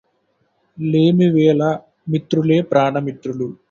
లేమివేళ మిత్రులే ప్రాణమిత్రులు